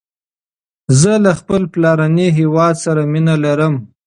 زه له خپل پلارنی هیواد سره مینه لرم